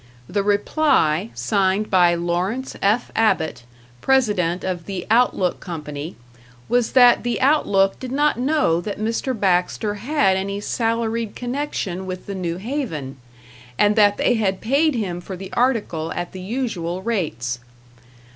The reply, signed by Lawrence F. Abbott, President of the "Outlook" Company, was that the "Outlook" did not know that Mr. Baxter had any salaried connection with the New Haven, and that they had paid him for the article at the usual rates.